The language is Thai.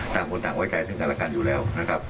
ต่างคนต่างไว้ใจซึ่งกันและกันอยู่แล้วนะครับ